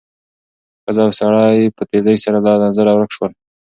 ښځه او سړی په تېزۍ سره له نظره ورک شول.